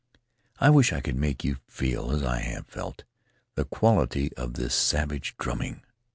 I wish I could make you feel, as I have felt, the quality of this savage drumming.